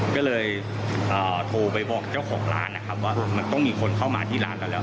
ก็เลยโทรไปบอกเจ้าของร้านนะครับว่ามันต้องมีคนเข้ามาที่ร้านเราแล้ว